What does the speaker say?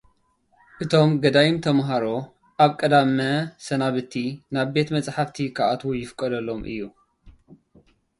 እቶም ገዳይም ተማሃሮ ኣብ ቀዳመ ሰናብቲ ናብ ቤተ መጽሓፍቲ ኽኣትዉ ይፍቀደሎም እዩ።